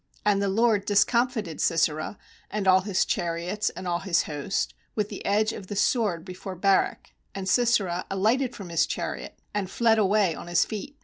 15And the LORD discom fited Sisera, and all his chariots, and all his host, with the edge of the sword before Barak; and Sisera alighted from his chariot, and fled away on his feet.